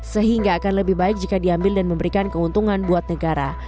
sehingga akan lebih baik jika diambil dan memberikan keuntungan buat negara